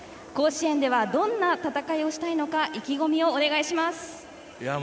甲子園ではどんな戦いをしたいのか意気込みをお願いします。